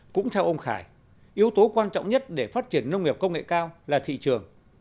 cũng theo ông khải yếu tố quan trọng nhất để phát triển nông nghiệp công nghệ cao là thị trường